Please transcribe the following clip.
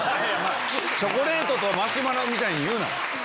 チョコレートとマシュマロみたいに言うな。